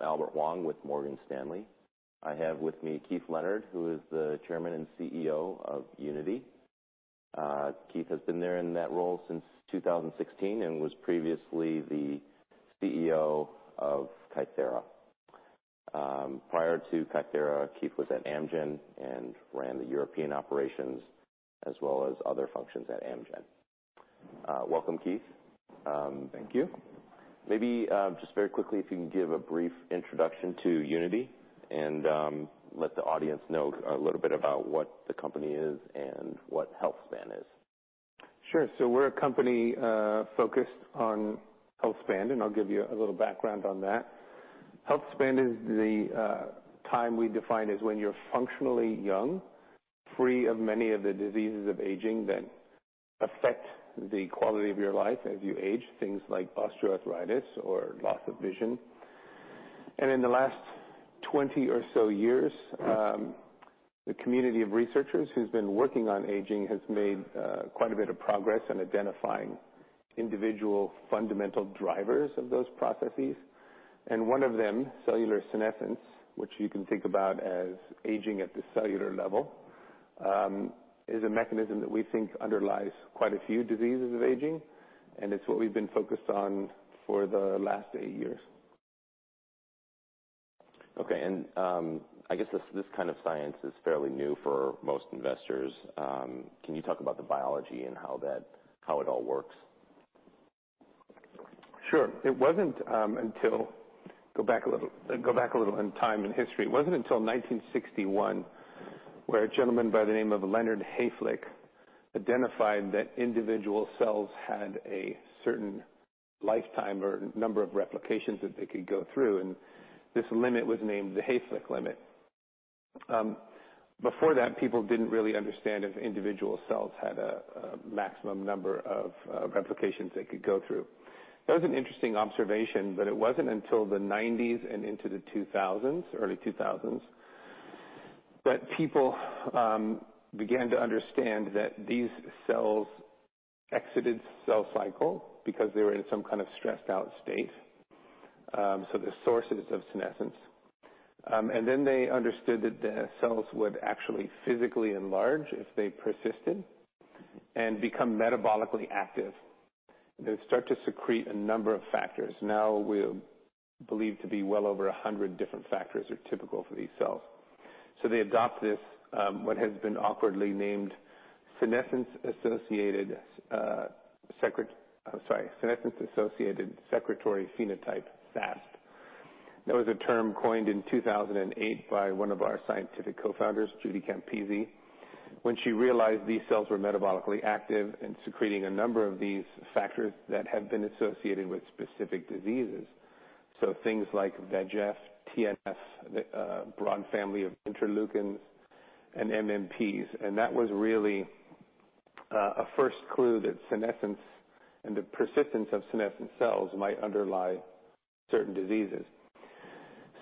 I'm Albert Huang with Morgan Stanley. I have with me Keith Leonard, who is the Chairman and CEO of Unity. Keith has been there in that role since 2016 and was previously the CEO of Kythera. Prior to Kythera, Keith was at Amgen and ran the European operations as well as other functions at Amgen. Welcome, Keith. Thank you. Maybe, just very quickly, if you can give a brief introduction to Unity and let the audience know a little bit about what the company is and what healthspan is. Sure. We're a company focused on healthspan, and I'll give you a little background on that. Healthspan is the time we define as when you're functionally young, free of many of the diseases of aging that affect the quality of your life as you age, things like osteoarthritis or loss of vision. In the last 20 or so years, the community of researchers who's been working on aging has made quite a bit of progress in identifying individual fundamental drivers of those processes. One of them, cellular senescence, which you can think about as aging at the cellular level, is a mechanism that we think underlies quite a few diseases of aging, and it's what we've been focused on for the last eight years. Okay. I guess this kind of science is fairly new for most investors. Can you talk about the biology and how it all works? Sure. Go back a little in time in history. It wasn't until 1961, where a gentleman by the name of Leonard Hayflick identified that individual cells had a certain lifetime or number of replications that they could go through, and this limit was named the Hayflick limit. Before that, people didn't really understand if individual cells had a maximum number of replications they could go through. That was an interesting observation. It wasn't until the '90s and into the early 2000s that people began to understand that these cells exited cell cycle because they were in some kind of stressed-out state. The sources of senescence. They understood that the cells would actually physically enlarge if they persisted and become metabolically active. They would start to secrete a number of factors. Now we believe to be well over 100 different factors are typical for these cells. They adopt this, what has been awkwardly named senescence-associated secretory phenotype, SASP. That was a term coined in 2008 by one of our scientific co-founders, Judith Campisi, when she realized these cells were metabolically active and secreting a number of these factors that have been associated with specific diseases. Things like VEGF, TNF, a broad family of interleukins, and MMPs. That was really a first clue that senescence and the persistence of senescent cells might underlie certain diseases.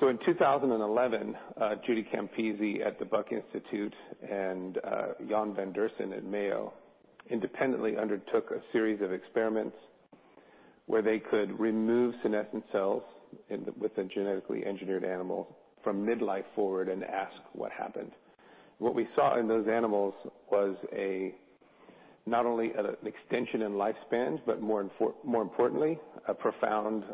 In 2011, Judith Campisi at the Buck Institute and Jan van Deursen at Mayo independently undertook a series of experiments where they could remove senescent cells with a genetically engineered animal from midlife forward and ask what happened. What we saw in those animals was not only an extension in lifespans, but more importantly, a profound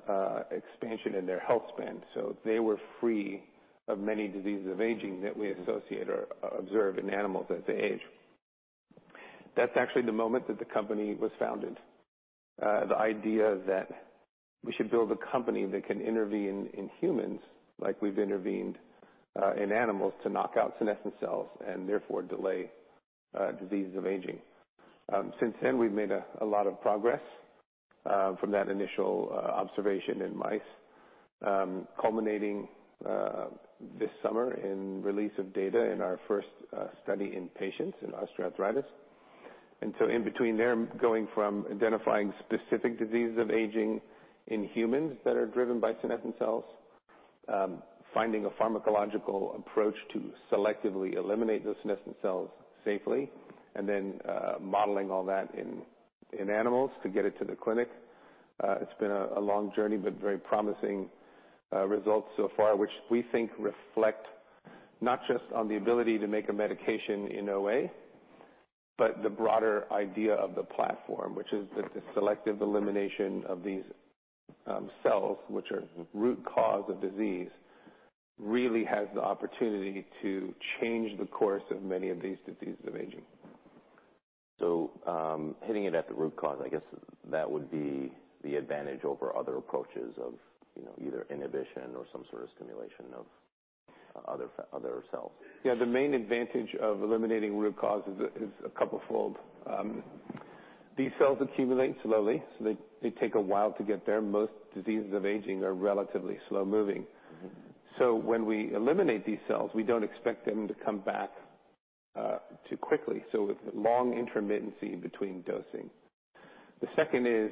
expansion in their healthspan. They were free of many diseases of aging that we associate or observe in animals as they age. That's actually the moment that the company was founded. The idea that we should build a company that can intervene in humans like we've intervened in animals to knock out senescent cells and therefore delay diseases of aging. Since then, we've made a lot of progress from that initial observation in mice, culminating this summer in release of data in our first study in patients in osteoarthritis. In between there, going from identifying specific diseases of aging in humans that are driven by senescent cells, finding a pharmacological approach to selectively eliminate those senescent cells safely, and then modeling all that in animals to get it to the clinic. It's been a long journey, but very promising results so far, which we think reflect not just on the ability to make a medication in a way, but the broader idea of the platform, which is that the selective elimination of these cells, which are the root cause of disease, really has the opportunity to change the course of many of these diseases of aging. Hitting it at the root cause, I guess that would be the advantage over other approaches of either inhibition or some sort of stimulation of other cells. Yeah. The main advantage of eliminating root cause is a couple fold. These cells accumulate slowly, so they take a while to get there. Most diseases of aging are relatively slow-moving. When we eliminate these cells, we don't expect them to come back too quickly. Long intermittency between dosing. The second is,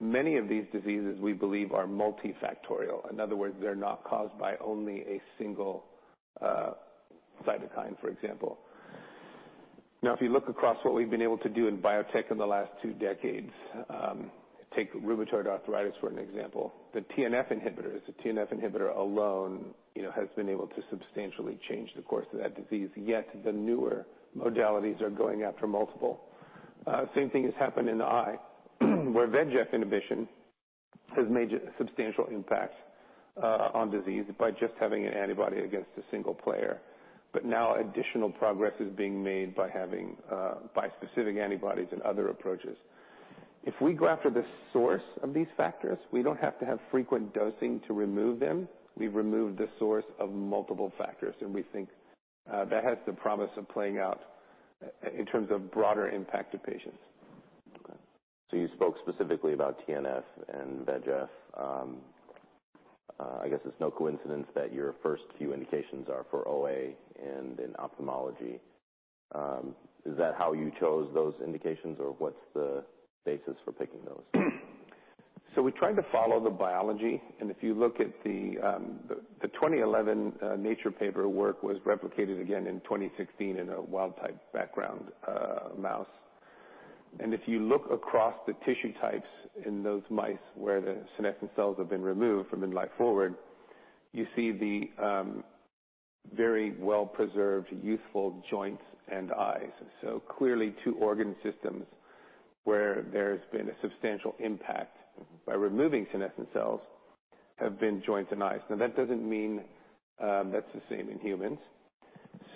many of these diseases, we believe, are multifactorial. In other words, they're not caused by only a single cytokine, for example. Now, if you look across what we've been able to do in biotech in the last two decades, take rheumatoid arthritis for an example, the TNF inhibitors. The TNF inhibitor alone has been able to substantially change the course of that disease, yet the newer modalities are going after multiple. Same thing has happened in the eye, where VEGF inhibition has made substantial impacts on disease by just having an antibody against a single player. Now additional progress is being made by specific antibodies and other approaches. If we go after the source of these factors, we don't have to have frequent dosing to remove them. We've removed the source of multiple factors, and we think that has the promise of playing out in terms of broader impact to patients. Okay. You spoke specifically about TNF and VEGF. I guess it's no coincidence that your first few indications are for OA and in ophthalmology. Is that how you chose those indications, or what's the basis for picking those? We tried to follow the biology, and if you look at the 2011 Nature paper, work was replicated again in 2016 in a wild-type background mouse. If you look across the tissue types in those mice, where the senescent cells have been removed from mid-life forward, you see the very well-preserved youthful joints and eyes. That doesn't mean that's the same in humans.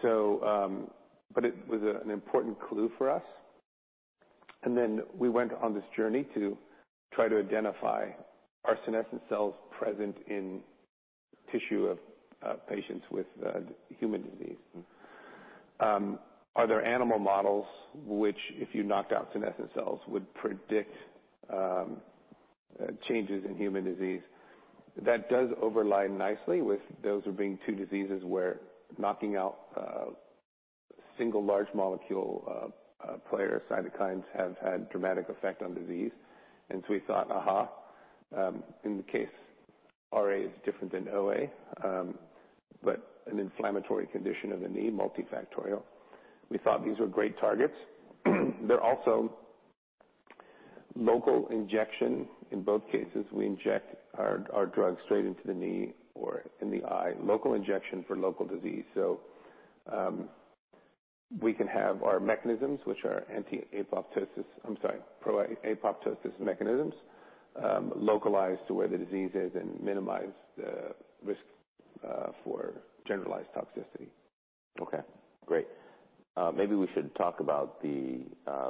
It was an important clue for us, we went on this journey to try to identify, are senescent cells present in tissue of patients with human disease? Are there animal models which, if you knocked out senescent cells, would predict changes in human disease? That does overlay nicely with those being two diseases where knocking out a single large molecule player cytokines have had dramatic effect on disease. We thought. In the case, RA is different than OA, an inflammatory condition of the knee, multifactorial. We thought these were great targets. They're also local injection. In both cases, we inject our drug straight into the knee or in the eye. Local injection for local disease. We can have our mechanisms, which are anti-apoptosis, I'm sorry, pro-apoptosis mechanisms, localized to where the disease is and minimize the risk for generalized toxicity. Okay, great. Maybe we should talk about the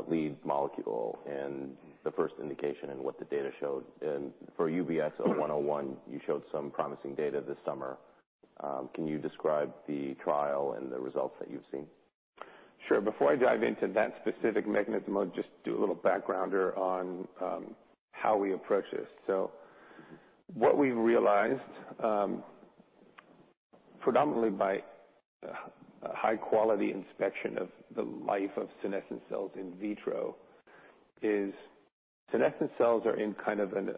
lead molecule and the first indication and what the data showed. For UBX0101, you showed some promising data this summer. Can you describe the trial and the results that you've seen? Sure. Before I dive into that specific mechanism, I'll just do a little backgrounder on how we approach this. What we've realized predominantly by high-quality inspection of the life of senescent cells in vitro is senescent cells are in kind of an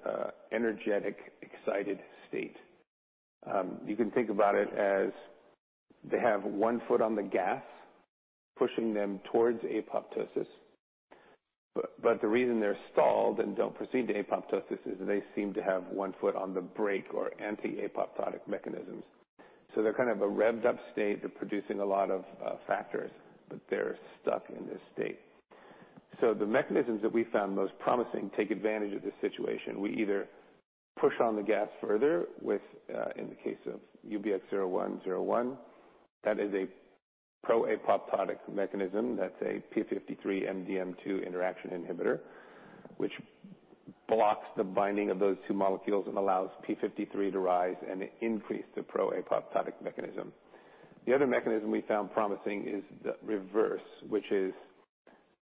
energetic, excited state. You can think about it as they have one foot on the gas, pushing them towards apoptosis. The reason they're stalled and don't proceed to apoptosis is that they seem to have one foot on the brake or anti-apoptotic mechanisms. They're kind of a revved up state. They're producing a lot of factors, but they're stuck in this state. The mechanisms that we found most promising take advantage of this situation. We either push on the gas further with, in the case of UBX0101, that is a pro-apoptotic mechanism. That's a p53 MDM2 interaction inhibitor, which blocks the binding of those two molecules and allows p53 to rise and increase the pro-apoptotic mechanism. The other mechanism we found promising is the reverse, which is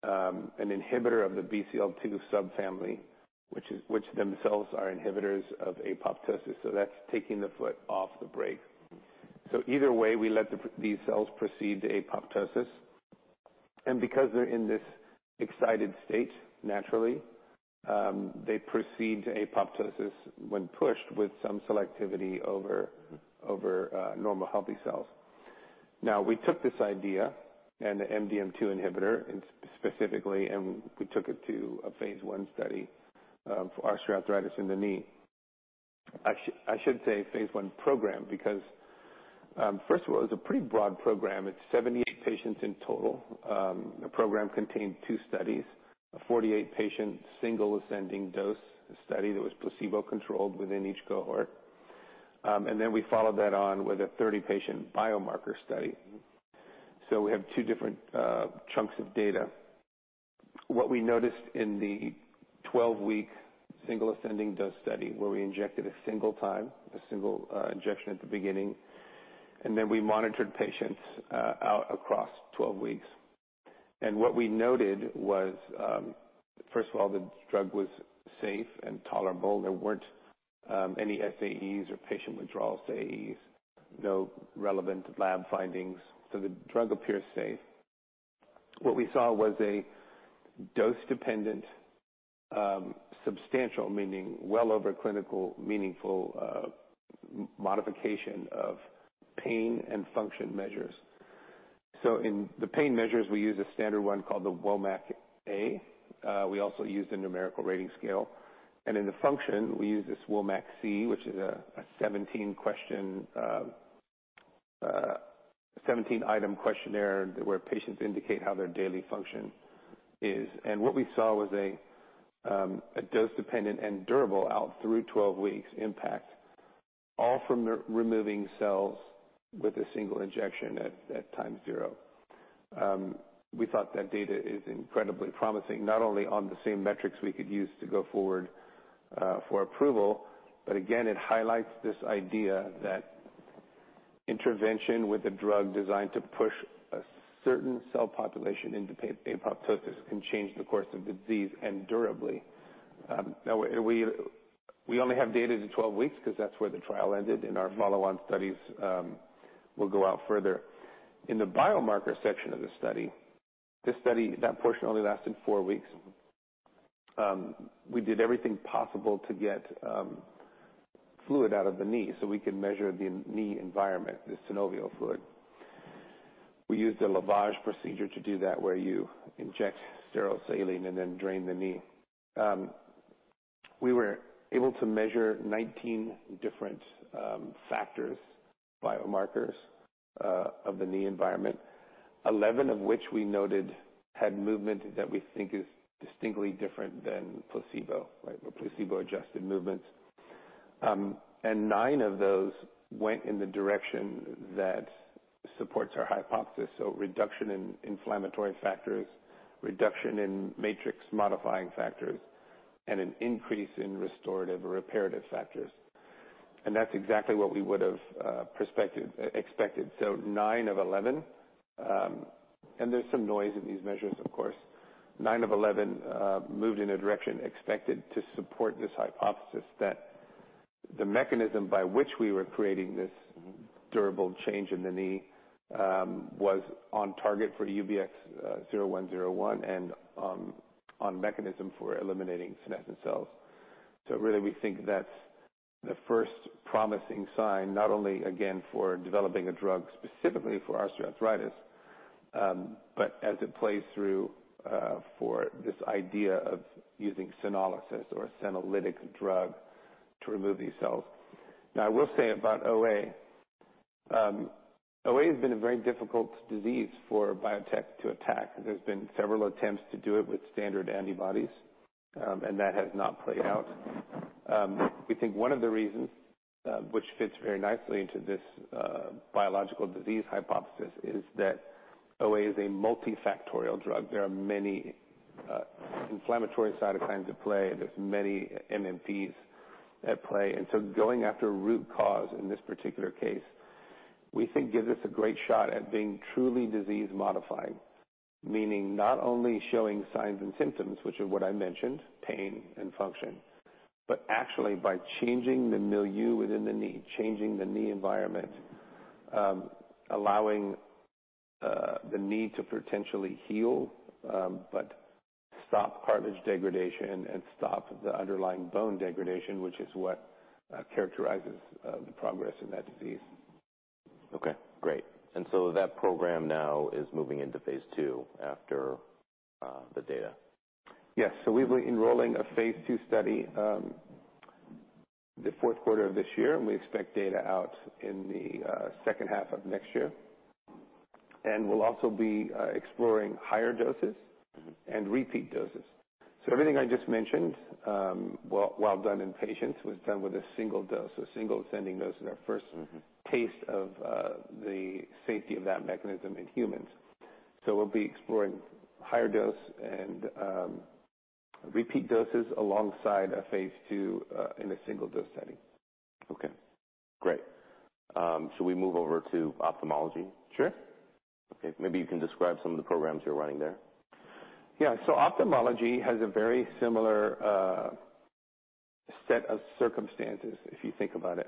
an inhibitor of the BCL-2 subfamily, which themselves are inhibitors of apoptosis. That's taking the foot off the brake. Either way, we let these cells proceed to apoptosis. Because they're in this excited state, naturally, they proceed to apoptosis when pushed with some selectivity over normal healthy cells. We took this idea and the MDM2 inhibitor specifically, and we took it to a phase I study of osteoarthritis in the knee. I should say phase I program, because, first of all, it was a pretty broad program. It's 78 patients in total. The program contained 2 studies, a 48-patient, single-ascending dose study that was placebo-controlled within each cohort. We followed that on with a 30-patient biomarker study. We have two different chunks of data. What we noticed in the 12-week single-ascending dose study, where we injected a single time, a single injection at the beginning, and then we monitored patients out across 12 weeks. What we noted was, first of all, the drug was safe and tolerable. There weren't any SAEs or patient withdrawal SAEs, no relevant lab findings. The drug appears safe. What we saw was a dose-dependent, substantial, meaning well over clinical meaningful modification of pain and function measures. In the pain measures, we use a standard one called the WOMAC A. We also use the numerical rating scale. In the function, we use this WOMAC C, which is a 17-item questionnaire where patients indicate how their daily function is. What we saw was a dose-dependent and durable out through 12 weeks impact, all from removing cells with a single injection at time zero. We thought that data is incredibly promising, not only on the same metrics we could use to go forward for approval, but again, it highlights this idea that intervention with a drug designed to push a certain cell population into apoptosis can change the course of disease and durably. We only have data to 12 weeks because that's where the trial ended, and our follow-on studies will go out further. In the biomarker section of the study, that portion only lasted four weeks. We did everything possible to get fluid out of the knee so we could measure the knee environment, the synovial fluid. We used a lavage procedure to do that, where you inject sterile saline and then drain the knee. We were able to measure 19 different factors, biomarkers of the knee environment, 11 of which we noted had movement that we think is distinctly different than placebo, were placebo-adjusted movements. Nine of those went in the direction that supports our hypothesis. Reduction in inflammatory factors, reduction in matrix-modifying factors, and an increase in restorative or reparative factors. That's exactly what we would have expected. Nine of 11. There's some noise in these measures, of course. Nine of 11 moved in a direction expected to support this hypothesis that the mechanism by which we were creating this durable change in the knee was on target for UBX0101 and on mechanism for eliminating senescent cells. We think that's the first promising sign, not only, again, for developing a drug specifically for osteoarthritis, but as it plays through for this idea of using senolysis or senolytic drug to remove these cells. I will say about OA has been a very difficult disease for biotech to attack. There's been several attempts to do it with standard antibodies, and that has not played out. We think one of the reasons, which fits very nicely into this biological disease hypothesis, is that OA is a multifactorial disease. There are many inflammatory cytokines at play. There's many MMPs at play. Going after a root cause in this particular case, we think gives us a great shot at being truly disease modifying. Meaning not only showing signs and symptoms, which are what I mentioned, pain and function, but actually by changing the milieu within the knee, changing the knee environment allowing the knee to potentially heal, but stop cartilage degradation and stop the underlying bone degradation, which is what characterizes the progress in that disease. Okay, great. That program now is moving into phase II after the data? Yes. We'll be enrolling a phase II study the fourth quarter of this year, and we expect data out in the second half of next year. We'll also be exploring higher doses and repeat doses. Everything I just mentioned, while done in patients, was done with a single dose, a single ascending dose in our first taste of the safety of that mechanism in humans. We'll be exploring higher dose and repeat doses alongside a phase II in a single-dose setting. Okay, great. Shall we move over to ophthalmology? Sure. Okay. Maybe you can describe some of the programs you're running there. Yeah. Ophthalmology has a very similar set of circumstances, if you think about it.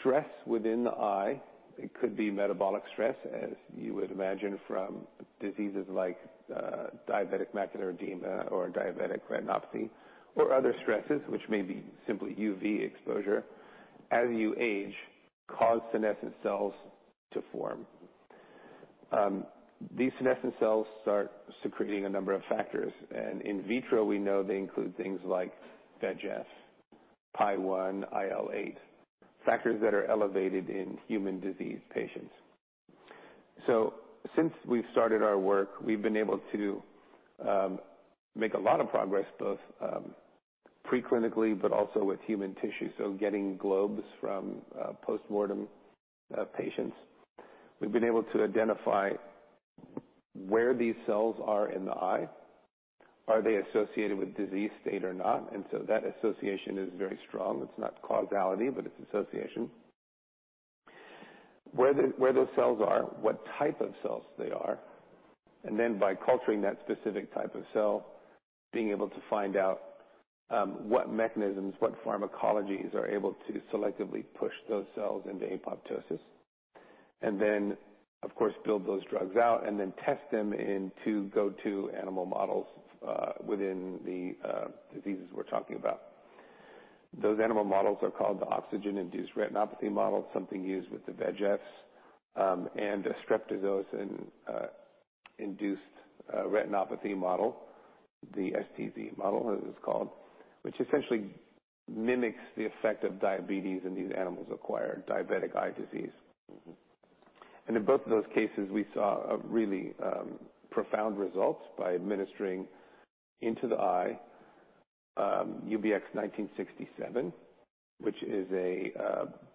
Stress within the eye, it could be metabolic stress, as you would imagine from diseases like diabetic macular edema or diabetic retinopathy, or other stresses, which may be simply UV exposure, as you age, cause senescent cells to form. These senescent cells start secreting a number of factors, and in vitro, we know they include things like VEGF, PAI1, IL-8, factors that are elevated in human disease patients. Since we've started our work, we've been able to make a lot of progress, both pre-clinically but also with human tissue. Getting globes from postmortem patients. We've been able to identify where these cells are in the eye. Are they associated with disease state or not? That association is very strong. It's not causality, but it's association. Where those cells are, what type of cells they are, and then by culturing that specific type of cell, being able to find out what mechanisms, what pharmacologies are able to selectively push those cells into apoptosis. Then, of course, build those drugs out and then test them in two go-to animal models within the diseases we're talking about. Those animal models are called the oxygen-induced retinopathy model, something used with the VEGFs, and a streptozotocin-induced retinopathy model, the STZ model, as it's called, which essentially mimics the effect of diabetes in these animals acquire diabetic eye disease. In both of those cases, we saw really profound results by administering into the eye UBX1967, which is a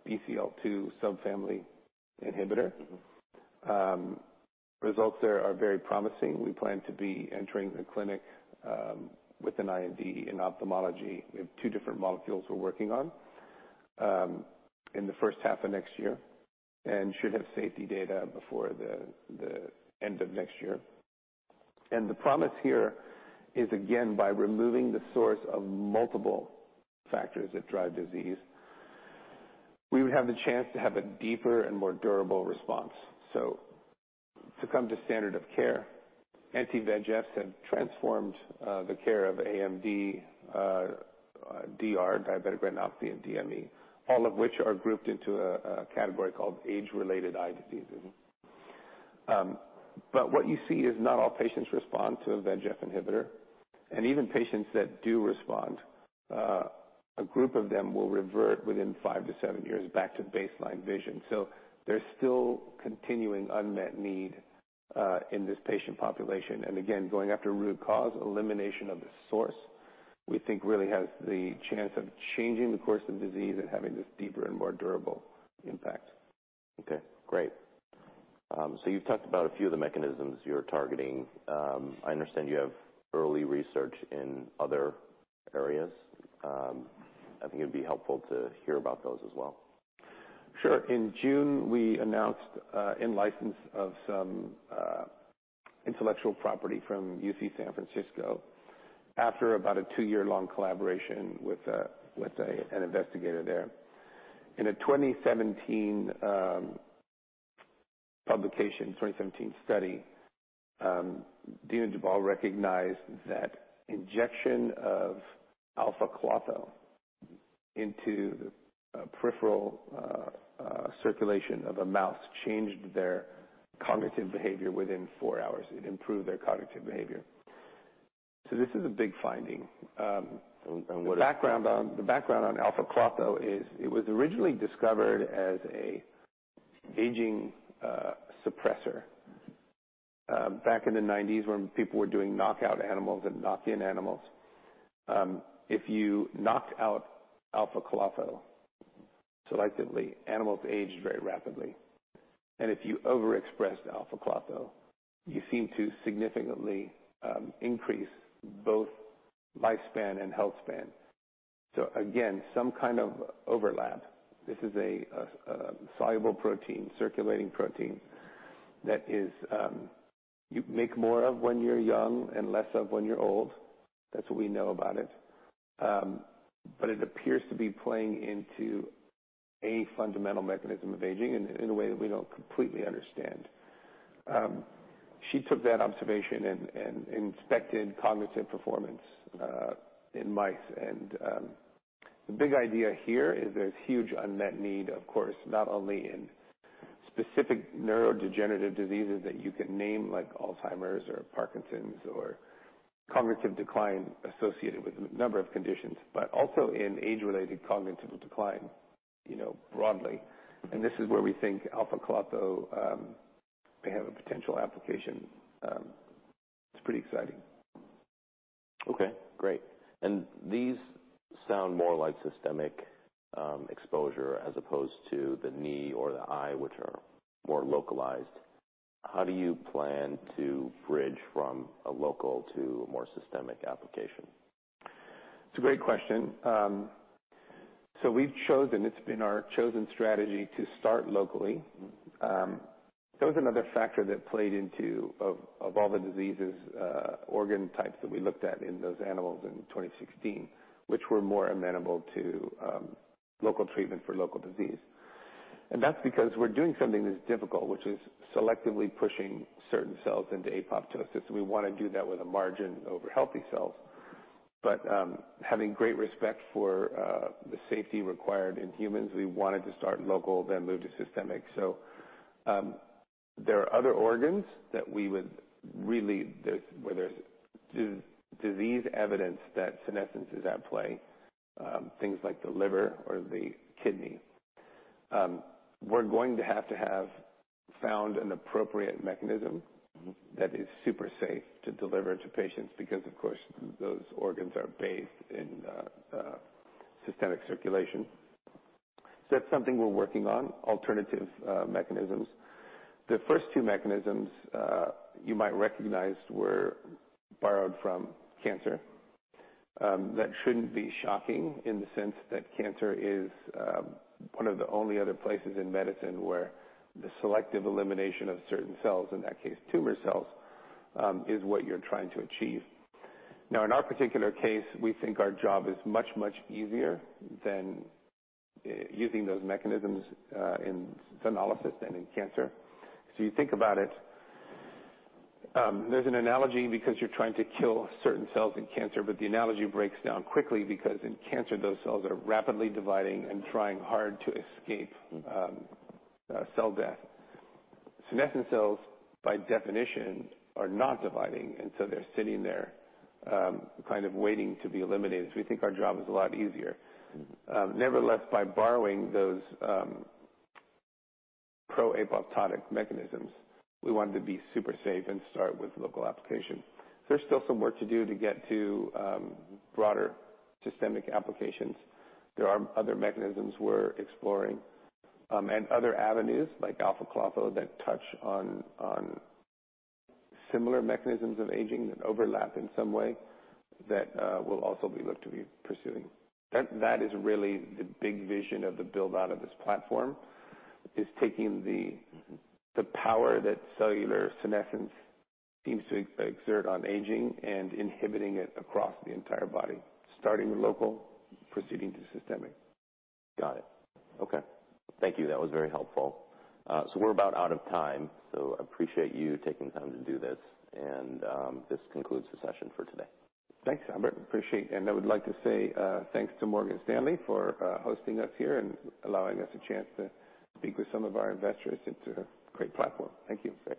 BCL-2 subfamily inhibitor. Results there are very promising. We plan to be entering the clinic with an IND in ophthalmology. We have two different molecules we're working on in the first half of next year, should have safety data before the end of next year. The promise here is, again, by removing the source of multiple factors that drive disease, we would have the chance to have a deeper and more durable response. To come to standard of care, anti-VEGFs have transformed the care of AMD, DR, diabetic retinopathy, and DME, all of which are grouped into a category called age-related eye diseases. What you see is not all patients respond to a VEGF inhibitor. Even patients that do respond, a group of them will revert within 5-7 years back to baseline vision. There's still continuing unmet need in this patient population. Again, going after a root cause, elimination of the source, we think really has the chance of changing the course of disease and having this deeper and more durable impact. Okay, great. You've talked about a few of the mechanisms you're targeting. I understand you have early research in other areas. I think it'd be helpful to hear about those as well. Sure. In June, we announced in-license of some intellectual property from UC San Francisco after about a two-year-long collaboration with an investigator there. In a 2017 publication, 2017 study, Dena Dubal recognized that injection of alpha-Klotho into the peripheral circulation of a mouse changed their cognitive behavior within four hours. It improved their cognitive behavior. This is a big finding. And what is- The background on alpha-klotho is it was originally discovered as an aging suppressor back in the 1990s when people were doing knockout animals and knock-in animals. If you knock out alpha-klotho selectively, animals age very rapidly. If you overexpress alpha-klotho, you seem to significantly increase both lifespan and healthspan. Again, some kind of overlap. This is a soluble protein, circulating protein, that you make more of when you're young and less of when you're old. That's what we know about it. It appears to be playing into a fundamental mechanism of aging in a way that we don't completely understand. She took that observation and inspected cognitive performance in mice. The big idea here is there's huge unmet need, of course, not only in specific neurodegenerative diseases that you can name, like Alzheimer's or Parkinson's or cognitive decline associated with a number of conditions, but also in age-related cognitive decline broadly. This is where we think alpha-klotho may have a potential application. It's pretty exciting. Okay. Great. These sound more like systemic exposure as opposed to the knee or the eye, which are more localized. How do you plan to bridge from a local to a more systemic application? It's a great question. It's been our chosen strategy to start locally. There was another factor that played into, of all the diseases, organ types that we looked at in those animals in 2016, which were more amenable to local treatment for local disease. That's because we're doing something that's difficult, which is selectively pushing certain cells into apoptosis. We want to do that with a margin over healthy cells. Having great respect for the safety required in humans, we wanted to start local then move to systemic. There are other organs that we would really, where there's disease evidence that senescence is at play, things like the liver or the kidney. We're going to have to have found an appropriate mechanism. That is super safe to deliver to patients because, of course, those organs are bathed in systemic circulation. That's something we're working on, alternative mechanisms. The first two mechanisms, you might recognize, were borrowed from cancer. That shouldn't be shocking in the sense that cancer is one of the only other places in medicine where the selective elimination of certain cells, in that case, tumor cells, is what you're trying to achieve. In our particular case, we think our job is much, much easier than using those mechanisms in senolysis and in cancer. You think about it, there's an analogy because you're trying to kill certain cells in cancer, but the analogy breaks down quickly because in cancer, those cells are rapidly dividing and trying hard to escape. cell death. Senescent cells, by definition, are not dividing, and so they're sitting there, kind of waiting to be eliminated, so we think our job is a lot easier. By borrowing those pro-apoptotic mechanisms, we wanted to be super safe and start with local application. There's still some work to do to get to broader systemic applications. There are other mechanisms we're exploring and other avenues like alpha-klotho that touch on similar mechanisms of aging that overlap in some way that will also be looked to be pursuing. That is really the big vision of the build-out of this platform. power that cellular senescence seems to exert on aging and inhibiting it across the entire body, starting with local, proceeding to systemic. Got it. Okay. Thank you. That was very helpful. We're about out of time, so I appreciate you taking time to do this. This concludes the session for today. Thanks, Albert. Appreciate it. I would like to say thanks to Morgan Stanley for hosting us here and allowing us a chance to speak with some of our investors. It's a great platform. Thank you.